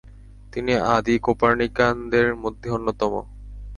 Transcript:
তিনি আদি কোপার্নিকানদের মধ্যে অন্যতম।